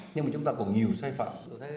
nhưng mà chúng ta có nhiều sai phạm